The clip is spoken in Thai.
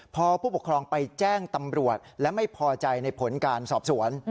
พอผู้ปกครองไปแจ้งตำรวจและไม่พอใจในผลการสอบสวน